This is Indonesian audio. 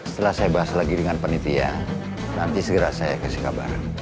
setelah saya bahas lagi dengan penitia nanti segera saya kasih kabar